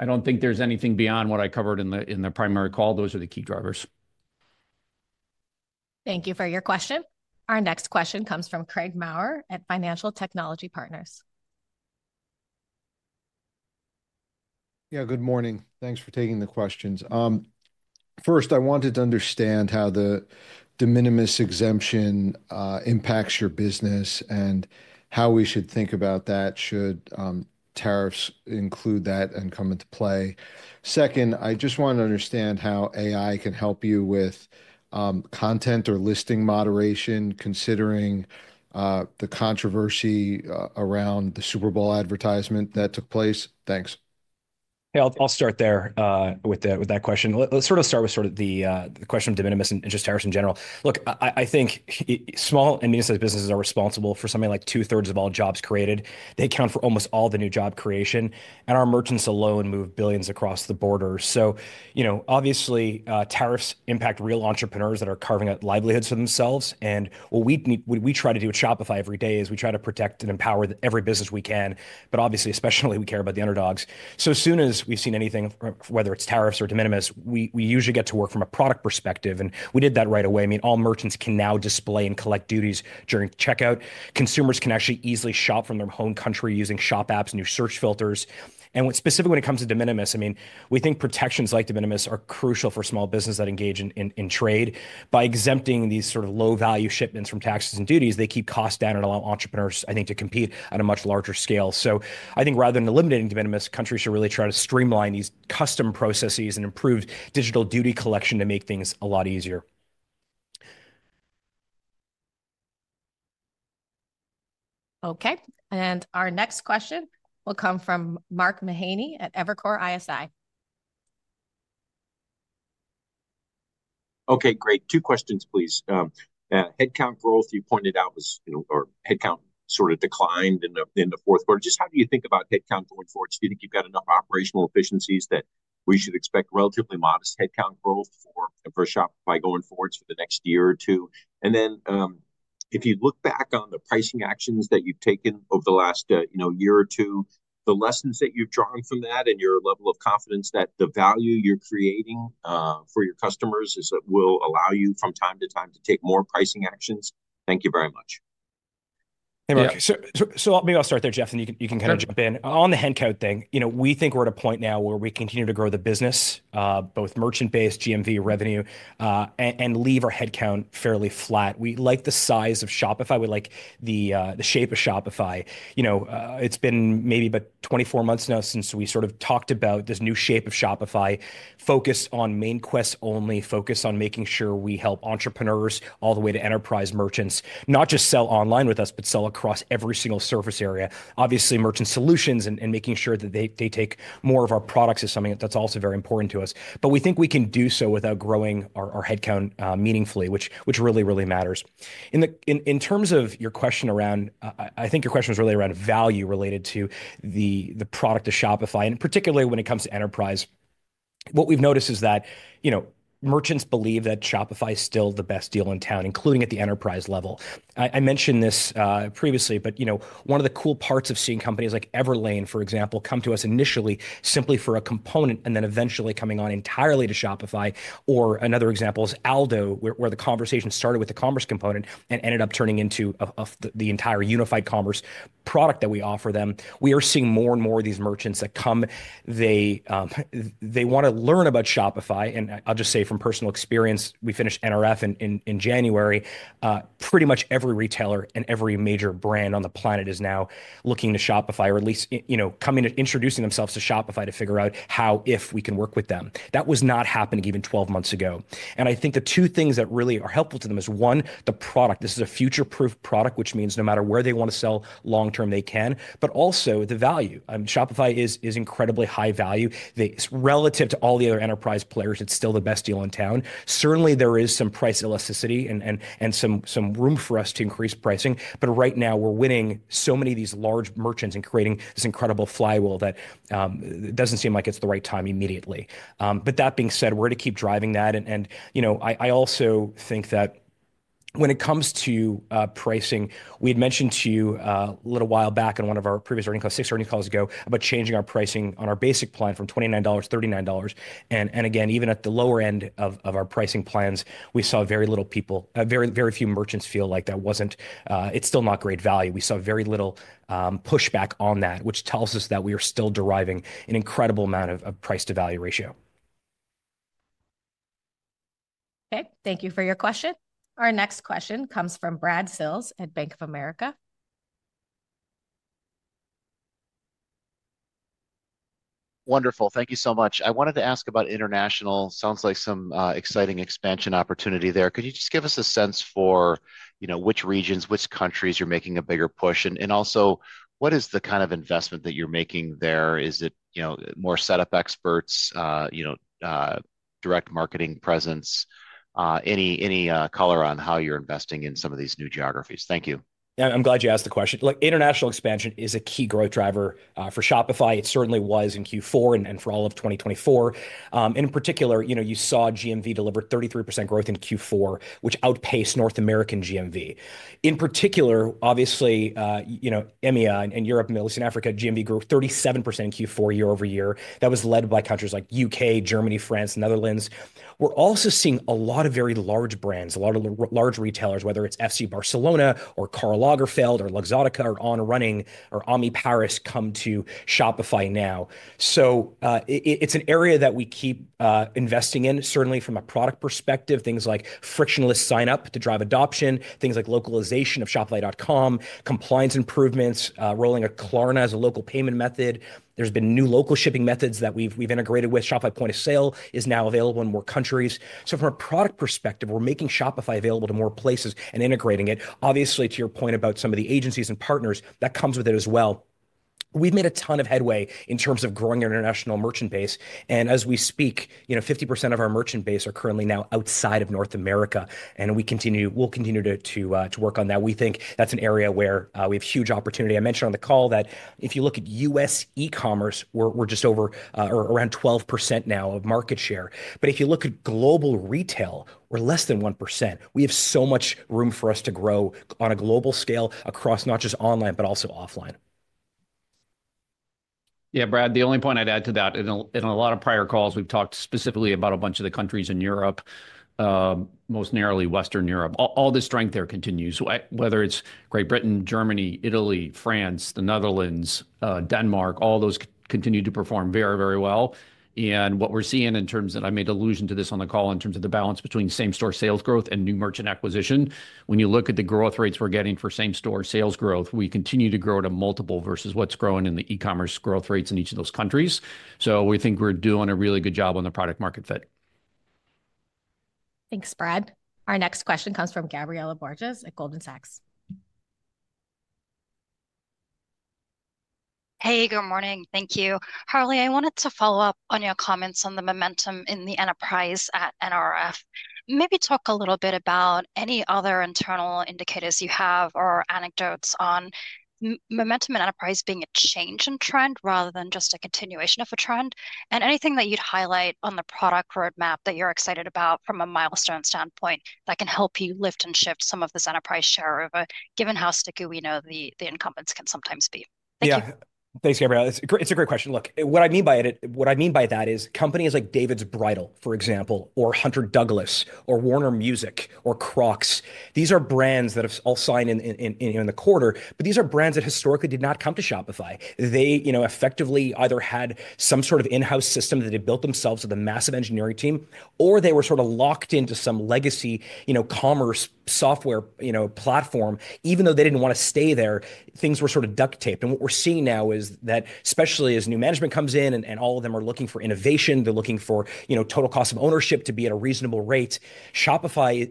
I don't think there's anything beyond what I covered in the primary call. Those are the key drivers. Thank you for your question. Our next question comes from Craig Maurer at Financial Technology Partners. Yeah, good morning. Thanks for taking the questions. First, I wanted to understand how the de minimis exemption impacts your business and how we should think about that should tariffs include that and come into play. Second, I just want to understand how AI can help you with content or listing moderation considering the controversy around the Super Bowl advertisement that took place. Thanks. Yeah, I'll start there with that question. Let's sort of start with sort of the question of de minimis and just tariffs in general. Look, I think small and medium-sized businesses are responsible for something like two-thirds of all jobs created. They account for almost all the new job creation, and our merchants alone move billions across the border. So obviously, tariffs impact real entrepreneurs that are carving out livelihoods for themselves, and what we try to do at Shopify every day is we try to protect and empower every business we can, but obviously, especially we care about the underdogs. So as soon as we've seen anything, whether it's tariffs or de minimis, we usually get to work from a product perspective, and we did that right away. I mean, all merchants can now display and collect duties during checkout. Consumers can actually easily shop from their home country using Shop App's new search filters. And specifically when it comes to de minimis, I mean, we think protections like de minimis are crucial for small businesses that engage in trade. By exempting these sort of low-value shipments from taxes and duties, they keep costs down and allow entrepreneurs, I think, to compete at a much larger scale. So I think rather than eliminating de minimis, countries should really try to streamline these customs processes and improve digital duty collection to make things a lot easier. Okay. And our next question will come from Mark Mahaney at Evercore ISI. Okay, great. Two questions, please. Headcount growth, you pointed out, or headcount sort of declined in the fourth quarter. Just how do you think about headcount going forward? Do you think you've got enough operational efficiencies that we should expect relatively modest headcount growth for Shopify going forward for the next year or two? And then if you look back on the pricing actions that you've taken over the last year or two, the lessons that you've drawn from that and your level of confidence that the value you're creating for your customers will allow you from time to time to take more pricing actions. Thank you very much. Hey, Mark. So maybe I'll start there, Jeff, and you can kind of jump in. On the headcount thing, we think we're at a point now where we continue to grow the business, both merchant base, GMV, revenue, and leave our headcount fairly flat. We like the size of Shopify. We like the shape of Shopify. It's been maybe about 24 months now since we sort of talked about this new shape of Shopify, focused on Merchant Solutions only, focused on making sure we help entrepreneurs all the way to enterprise merchants, not just sell online with us, but sell across every single surface area. Obviously, Merchant Solutions and making sure that they take more of our products is something that's also very important to us. But we think we can do so without growing our headcount meaningfully, which really, really matters. In terms of your question around, I think your question was really around value related to the product of Shopify, and particularly when it comes to enterprise. What we've noticed is that merchants believe that Shopify is still the best deal in town, including at the enterprise level. I mentioned this previously, but one of the cool parts of seeing companies like Everlane, for example, come to us initially simply for a component and then eventually coming on entirely to Shopify. Or another example is Aldo, where the conversation started with the commerce component and ended up turning into the entire unified commerce product that we offer them. We are seeing more and more of these merchants that come. They want to learn about Shopify. And I'll just say from personal experience, we finished NRF in January. Pretty much every retailer and every major brand on the planet is now looking to Shopify or at least coming to introduce themselves to Shopify to figure out how if we can work with them. That was not happening even 12 months ago. And I think the two things that really are helpful to them is one, the product. This is a future-proof product, which means no matter where they want to sell long-term, they can. But also the value. Shopify is incredibly high value. Relative to all the other enterprise players, it's still the best deal in town. Certainly, there is some price elasticity and some room for us to increase pricing. But right now, we're winning so many of these large merchants and creating this incredible flywheel that doesn't seem like it's the right time immediately. But that being said, we're going to keep driving that. And I also think that when it comes to pricing, we had mentioned to you a little while back on one of our previous earning calls, six earning calls ago, about changing our pricing on our Basic plan from $29-$39. Again, even at the lower end of our pricing plans, we saw very little people, very few merchants feel like that wasn't. It's still not great value. We saw very little pushback on that, which tells us that we are still deriving an incredible amount of price-to-value ratio. Okay, thank you for your question. Our next question comes from Bradley Sills at Bank of America. Wonderful. Thank you so much. I wanted to ask about international. Sounds like some exciting expansion opportunity there. Could you just give us a sense for which regions, which countries you're making a bigger push? And also, what is the kind of investment that you're making there? Is it more setup experts, direct marketing presence? Any color on how you're investing in some of these new geographies? Thank you. Yeah, I'm glad you asked the question. International expansion is a key growth driver for Shopify. It certainly was in Q4 and for all of 2024. In particular, you saw GMV deliver 33% growth in Q4, which outpaced North American GMV. In particular, obviously, EMEA and Europe, Middle East, and Africa, GMV grew 37% in Q4 year over year. That was led by countries like the U.K., Germany, France, Netherlands. We're also seeing a lot of very large brands, a lot of large retailers, whether it's FC Barcelona or Karl Lagerfeld or Luxottica or On Running or AMI Paris come to Shopify now. So it's an area that we keep investing in, certainly from a product perspective, things like frictionless sign-up to drive adoption, things like localization of shopify.com, compliance improvements, rolling out Klarna as a local payment method. There's been new local shipping methods that we've integrated with. Shopify Point of Sale is now available in more countries. So from a product perspective, we're making Shopify available to more places and integrating it. Obviously, to your point about some of the agencies and partners, that comes with it as well. We've made a ton of headway in terms of growing our international merchant base. And as we speak, 50% of our merchant base are currently now outside of North America. And we'll continue to work on that. We think that's an area where we have huge opportunity. I mentioned on the call that if you look at U.S. e-commerce, we're just over or around 12% now of market share. But if you look at global retail, we're less than 1%. We have so much room for us to grow on a global scale across not just online, but also offline. Yeah, Brad, the only point I'd add to that, in a lot of prior calls, we've talked specifically about a bunch of the countries in Europe, most narrowly Western Europe. All the strength there continues, whether it's Great Britain, Germany, Italy, France, the Netherlands, Denmark, all those continue to perform very, very well. And what we're seeing in terms of, and I made allusion to this on the call, in terms of the balance between same-store sales growth and new merchant acquisition, when you look at the growth rates we're getting for same-store sales growth, we continue to grow to multiple versus what's growing in the e-commerce growth rates in each of those countries. So we think we're doing a really good job on the product-market fit. Thanks, Brad. Our next question comes from Gabriela Borges at Goldman Sachs. Hey, good morning. Thank you. Harley, I wanted to follow up on your comments on the momentum in the enterprise at NRF. Maybe talk a little bit about any other internal indicators you have or anecdotes on momentum in enterprise being a change in trend rather than just a continuation of a trend, and anything that you'd highlight on the product roadmap that you're excited about from a milestone standpoint that can help you lift and shift some of this enterprise share over, given how sticky we know the incumbents can sometimes be? Thank you. Yeah, thanks, Gabriela. It's a great question. Look, what I mean by that is companies like David's Bridal, for example, or Hunter Douglas or Warner Music or Crocs. These are brands that have all signed in the quarter, but these are brands that historically did not come to Shopify. They effectively either had some sort of in-house system that they built themselves with a massive engineering team, or they were sort of locked into some legacy commerce software platform. Even though they didn't want to stay there, things were sort of duct taped. And what we're seeing now is that, especially as new management comes in and all of them are looking for innovation, they're looking for total cost of ownership to be at a reasonable rate, Shopify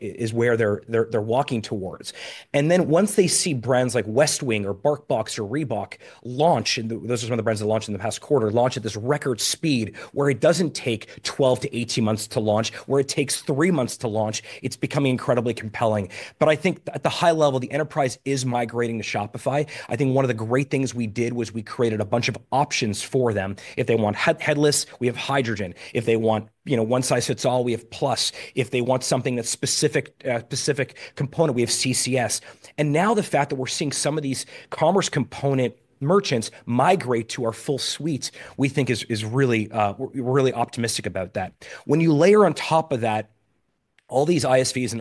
is where they're walking towards. And then once they see brands like Westwing or BarkBox or Reebok launch, and those are some of the brands that launched in the past quarter, launch at this record speed where it doesn't take 12-18 months to launch, where it takes three months to launch, it's becoming incredibly compelling. But I think at the high level, the enterprise is migrating to Shopify. I think one of the great things we did was we created a bunch of options for them. If they want headless, we have Hydrogen. If they want one-size-fits-all, we have Plus. If they want something that's a specific component, we have CCS. And now the fact that we're seeing some of these commerce component merchants migrate to our full suite, we think is really. We're really optimistic about that. When you layer on top of that, all these ISVs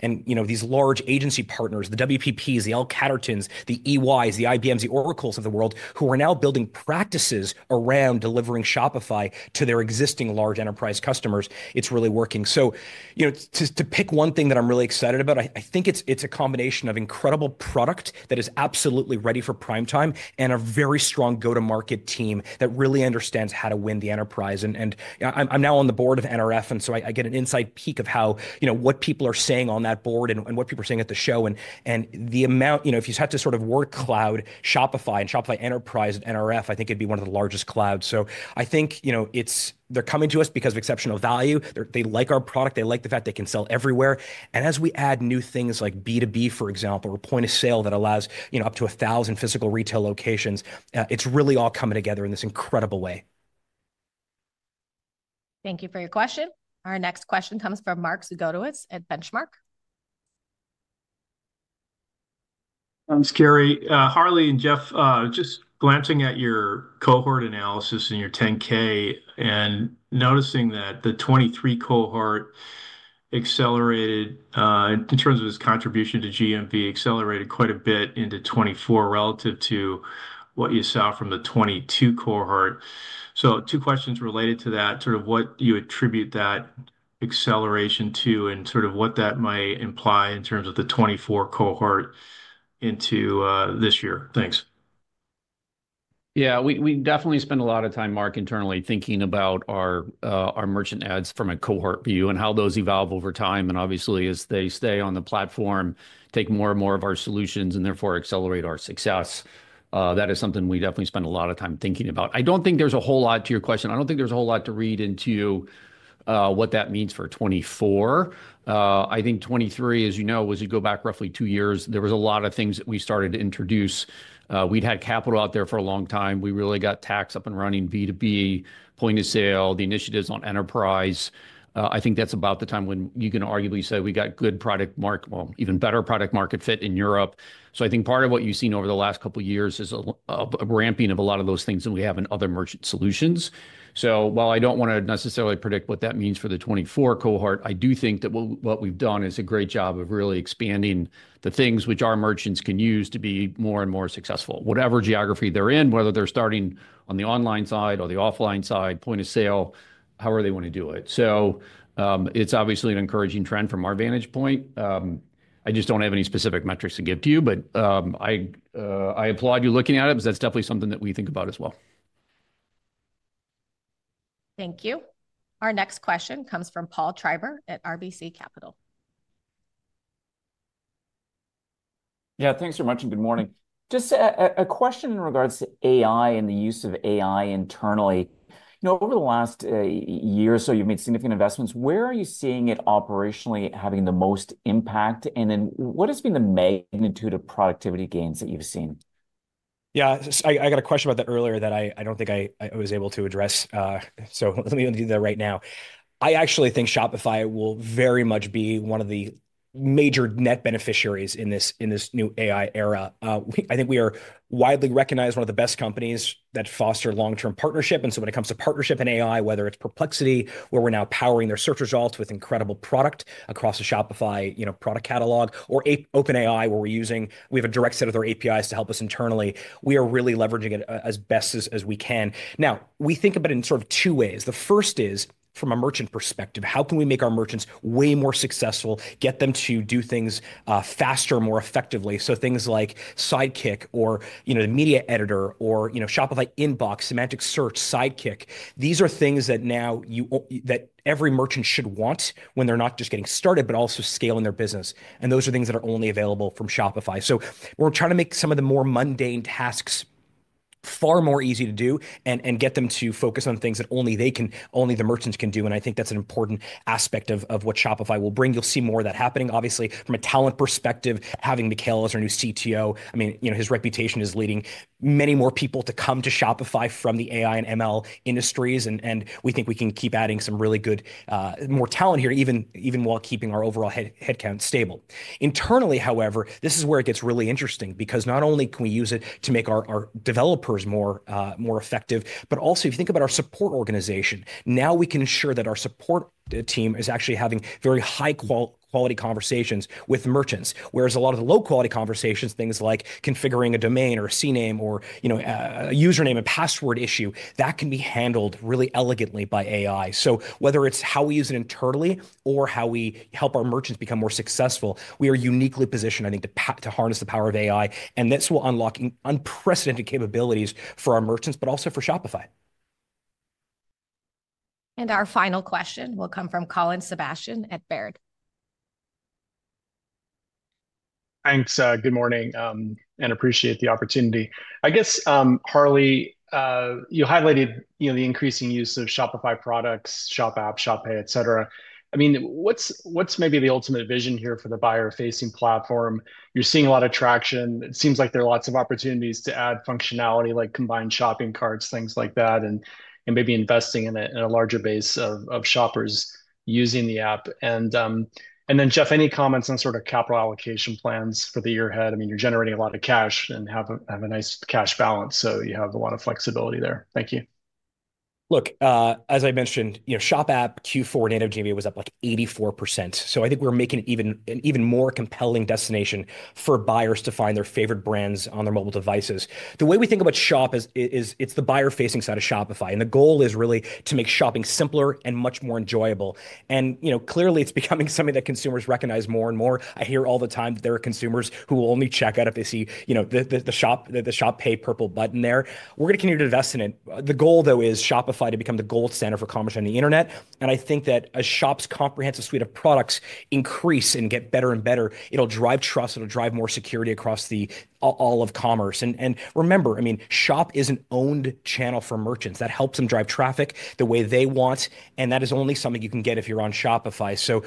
and these large agency partners, the WPPs, the L Cattertons, the EYs, the IBMs, the Oracles of the world, who are now building practices around delivering Shopify to their existing large enterprise customers, it's really working. To pick one thing that I'm really excited about, I think it's a combination of incredible product that is absolutely ready for prime time and a very strong go-to-market team that really understands how to win the enterprise, and I'm now on the board of NRF, and so I get an inside peek of what people are saying on that board and what people are saying at the show, and the amount, if you had to sort of word cloud Shopify and Shopify Enterprise at NRF, I think it'd be one of the largest clouds, so I think they're coming to us because of exceptional value. They like our product. They like the fact they can sell everywhere, and as we add new things like B2B, for example, or point of sale that allows up to 1,000 physical retail locations, it's really all coming together in this incredible way. Thank you for your question. Our next question comes from Mark Zgutowicz at Benchmark. Thanks, Carrie. Harley and Jeff, just glancing at your cohort analysis and your 10-K and noticing that the 23 cohort accelerated in terms of its contribution to GMV, accelerated quite a bit into 24 relative to what you saw from the 22 cohort. So two questions related to that, sort of what you attribute that acceleration to and sort of what that might imply in terms of the 24 cohort into this year. Thanks. Yeah, we definitely spend a lot of time, Mark, internally thinking about our merchants from a cohort view and how those evolve over time. And obviously, as they stay on the platform, take more and more of our solutions and therefore accelerate our success. That is something we definitely spend a lot of time thinking about. I don't think there's a whole lot to your question. I don't think there's a whole lot to read into what that means for 2024. I think 2023, as you know, was you go back roughly two years, there was a lot of things that we started to introduce. We'd had capital out there for a long time. We really got tax up and running, B2B, point of sale, the initiatives on enterprise. I think that's about the time when you can arguably say we got good product market, well, even better product market fit in Europe. So I think part of what you've seen over the last couple of years is a ramping of a lot of those things that we have in other merchant solutions. So while I don't want to necessarily predict what that means for the 24 cohort, I do think that what we've done is a great job of really expanding the things which our merchants can use to be more and more successful, whatever geography they're in, whether they're starting on the online side or the offline side, point of sale, however they want to do it. So it's obviously an encouraging trend from our vantage point. I just don't have any specific metrics to give to you, but I applaud you looking at it because that's definitely something that we think about as well. Thank you. Our next question comes from Paul Treiber at RBC Capital. Yeah, thanks very much and good morning. Just a question in regards to AI and the use of AI internally. Over the last year or so, you've made significant investments. Where are you seeing it operationally having the most impact? And then what has been the magnitude of productivity gains that you've seen? Yeah, I got a question about that earlier that I don't think I was able to address. So let me address that right now. I actually think Shopify will very much be one of the major net beneficiaries in this new AI era. I think we are widely recognized as one of the best companies that foster long-term partnership. And so when it comes to partnership and AI, whether it's Perplexity, where we're now powering their search results with incredible product across the Shopify product catalog, or OpenAI, where we're using, we have a direct set of their APIs to help us internally. We are really leveraging it as best as we can. Now, we think about it in sort of two ways. The first is from a merchant perspective, how can we make our merchants way more successful, get them to do things faster, more effectively? So things like Sidekick or the media editor or Shopify Inbox, Semantic Search, Sidekick, these are things that now every merchant should want when they're not just getting started, but also scaling their business. And those are things that are only available from Shopify. So we're trying to make some of the more mundane tasks far more easy to do and get them to focus on things that only the merchants can do. And I think that's an important aspect of what Shopify will bring. You'll see more of that happening, obviously, from a talent perspective. Having Mikhail as our new CTO, I mean, his reputation is leading many more people to come to Shopify from the AI and ML industries. We think we can keep adding some really good, more talent here even while keeping our overall headcount stable. Internally, however, this is where it gets really interesting because not only can we use it to make our developers more effective, but also if you think about our support organization, now we can ensure that our support team is actually having very high-quality conversations with merchants, whereas a lot of the low-quality conversations, things like configuring a domain or a CNAME or a username, a password issue, that can be handled really elegantly by AI. So whether it's how we use it internally or how we help our merchants become more successful, we are uniquely positioned, I think, to harness the power of AI. And this will unlock unprecedented capabilities for our merchants, but also for Shopify. Our final question will come from Colin Sebastian at Baird. Thanks. Good morning and appreciate the opportunity. I guess, Harley, you highlighted the increasing use of Shopify products, Shop App, Shop Pay, etc. I mean, what's maybe the ultimate vision here for the buyer-facing platform? You're seeing a lot of traction. It seems like there are lots of opportunities to add functionality like combined shopping carts, things like that, and maybe investing in a larger base of shoppers using the app. And then, Jeff, any comments on sort of capital allocation plans for the year ahead? I mean, you're generating a lot of cash and have a nice cash balance, so you have a lot of flexibility there. Thank you. Look, as I mentioned, Shop App Q4 GMV was up like 84%. So I think we're making it even more compelling destination for buyers to find their favorite brands on their mobile devices. The way we think about Shop is it's the buyer-facing side of Shopify, and the goal is really to make shopping simpler and much more enjoyable, and clearly, it's becoming something that consumers recognize more and more. I hear all the time that there are consumers who will only check out if they see the Shop Pay purple button there. We're going to continue to invest in it. The goal, though, is Shopify to become the gold standard for commerce on the internet, and I think that as Shop's comprehensive suite of products increase and get better and better, it'll drive trust. It'll drive more security across all of commerce. Remember, I mean, Shop is an owned channel for merchants that helps them drive traffic the way they want, and that is only something you can get if you're on Shopify. So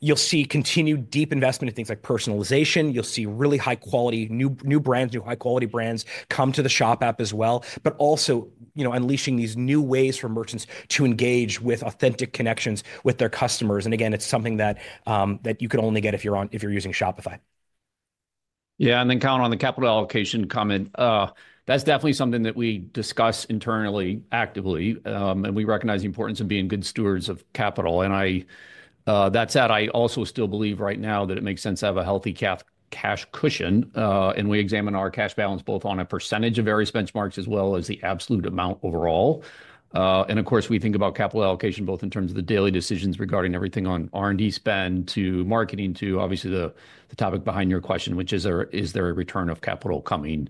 you'll see continued deep investment in things like personalization. You'll see really high-quality new brands, new high-quality brands come to the Shop App as well, but also unleashing these new ways for merchants to engage with authentic connections with their customers. And again, it's something that you can only get if you're using Shopify. Yeah. And then, Colin, on the capital allocation comment, that's definitely something that we discuss internally actively. And we recognize the importance of being good stewards of capital. And that said, I also still believe right now that it makes sense to have a healthy cash cushion. And we examine our cash balance both on a percentage of various benchmarks as well as the absolute amount overall. Of course, we think about capital allocation both in terms of the daily decisions regarding everything on R&D spend to marketing to obviously the topic behind your question, which is, is there a return of capital coming?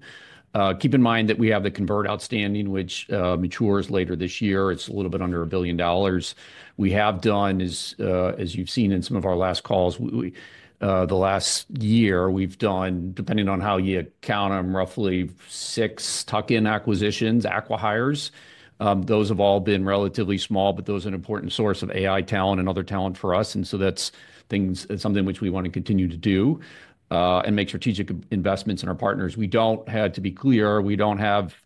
Keep in mind that we have the convertible outstanding, which matures later this year. It's a little bit under $1 billion. We have done, as you've seen in some of our last calls, the last year, we've done, depending on how you count them, roughly six tuck-in acquisitions, acqui-hires. Those have all been relatively small, but those are an important source of AI talent and other talent for us. And so that's something which we want to continue to do and make strategic investments in our partners. We don't, to be clear, we don't have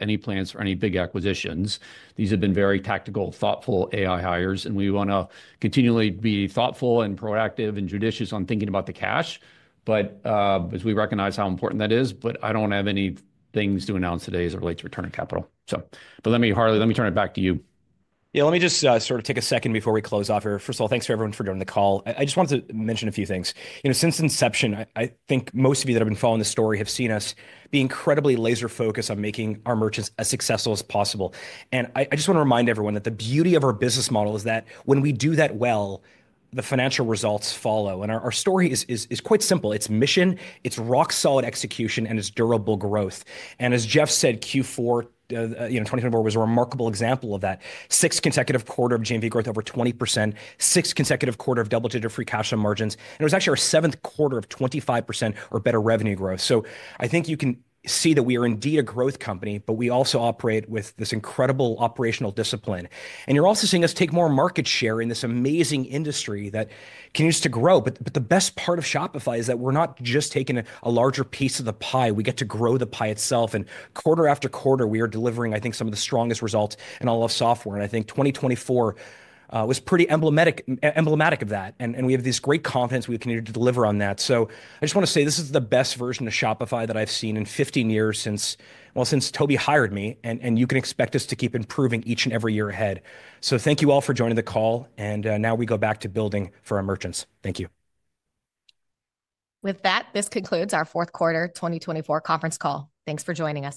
any plans for any big acquisitions. These have been very tactical, thoughtful AI hires. And we want to continually be thoughtful and proactive and judicious on thinking about the cash, as we recognize how important that is. But I don't have any things to announce today as it relates to return to capital. But let me, Harley, let me turn it back to you. Yeah, let me just sort of take a second before we close off here. First of all, thanks for everyone for joining the call. I just wanted to mention a few things. Since inception, I think most of you that have been following the story have seen us be incredibly laser-focused on making our merchants as successful as possible. And I just want to remind everyone that the beauty of our business model is that when we do that well, the financial results follow. And our story is quite simple. It's mission, it's rock-solid execution, and it's durable growth. As Jeff said, Q4 2024 was a remarkable example of that. Six consecutive quarters of GMV growth over 20%, six consecutive quarters of double-digit free cash flow margins. It was actually our seventh quarter of 25% or better revenue growth. I think you can see that we are indeed a growth company, but we also operate with this incredible operational discipline. You're also seeing us take more market share in this amazing industry that continues to grow. The best part of Shopify is that we're not just taking a larger piece of the pie. We get to grow the pie itself. Quarter after quarter, we are delivering, I think, some of the strongest results in all of software. I think 2024 was pretty emblematic of that. We have this great confidence we continue to deliver on that. So I just want to say this is the best version of Shopify that I've seen in 15 years since Tobi hired me, and you can expect us to keep improving each and every year ahead, so thank you all for joining the call, and now we go back to building for our merchants. Thank you. With that, this concludes our fourth quarter 2024 conference call. Thanks for joining us.